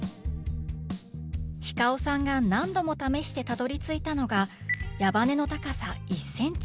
ｈｉｃａｏさんが何度も試してたどりついたのが矢羽根の高さ１ｃｍ。